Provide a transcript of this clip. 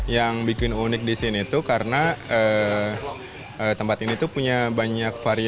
yang bikin unik di sini itu karena tempat ini punya banyak fasilitas